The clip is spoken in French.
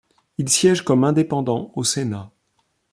Il siège comme indépendant au Sénat.